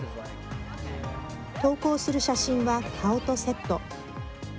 投稿する写真は顔とセット。